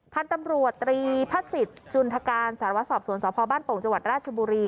พันธุ์ตำรวจตรีพระศิษย์จุนทการสารวสอบสวนสพบ้านโป่งจังหวัดราชบุรี